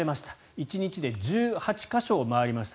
１日で１８か所を回りました。